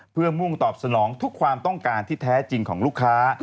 เพื่อมุ่งตอบสนองทุกความต้องการที่แท้จริงของลูกค้า